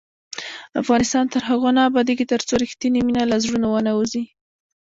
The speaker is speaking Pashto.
افغانستان تر هغو نه ابادیږي، ترڅو رښتینې مینه له زړونو ونه وځي.